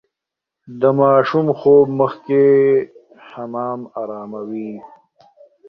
د ماشوم خوب مخکې حمام اراموي.